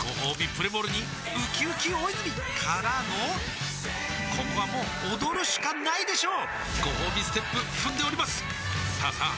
プレモルにうきうき大泉からのここはもう踊るしかないでしょうごほうびステップ踏んでおりますさあさあ